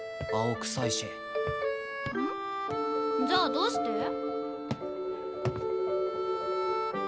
じゃあどうして？